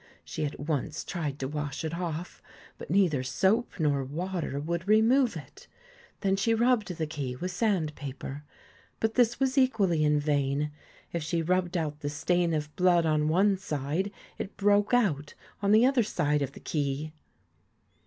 She at once tried to wash it off, but neither soap nor water would remove it. Then she rubbed the key with sand paper, but this was equally in vain. If she rubbed out the stain of blood on one side, it broke out on the other side of the key.